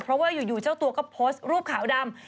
เพราะว่าอยู่เจ้าตัวก็โพสต์รูปขาวดำ